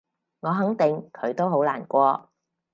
我肯定佢都好難過